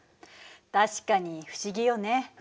確かに不思議よね。